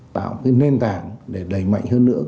tạo nền tảng để đẩy mạnh hơn nữa